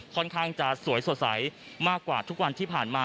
ค่อนข้างจะสวยสดใสมากกว่าทุกวันที่ผ่านมา